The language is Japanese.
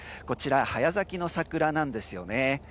こちら早咲きの桜なんですよね。